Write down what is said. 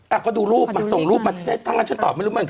เขาก็ดูรูปส่งรูปมารถตาฉันตอบไม่รู้เหมือนกัน